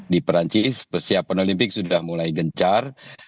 di perancis persiapan olimpik sudah mulai gencar